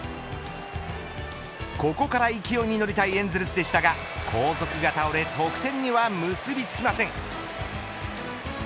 ここから勢いに乗りたいエンゼルスでしたが後続が倒れ得点には結び付きません。